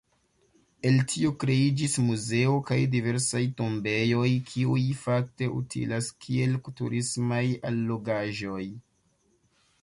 El tio kreiĝis muzeo kaj diversaj tombejoj, kiuj fakte utilas kiel turismaj allogaĵoj.